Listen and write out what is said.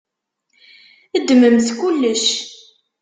Ddmemt kullec.